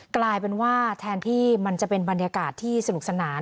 กลายเป็นว่าแทนที่มันจะเป็นบรรยากาศที่สนุกสนาน